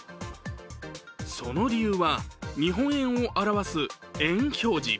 その理由は日本円を表す￥表示。